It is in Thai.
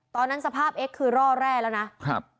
ตอนนั้นสภาพเอ็กซคือร่อแร่แล้วนะครับ